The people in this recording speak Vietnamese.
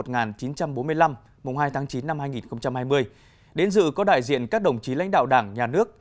mùng hai tháng chín năm hai nghìn hai mươi đến dự có đại diện các đồng chí lãnh đạo đảng nhà nước